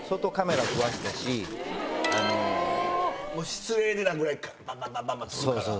失礼なぐらいバンバンバンバン撮るから。